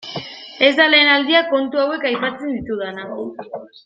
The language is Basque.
Ez da lehen aldia kontu hauek aipatzen ditudana.